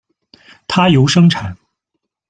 它由生产。